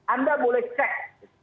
anda boleh cek